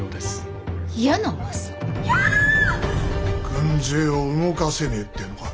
軍勢を動かせねえってのか。